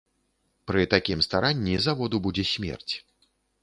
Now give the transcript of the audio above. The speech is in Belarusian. Пры такім старанні заводу будзе смерць.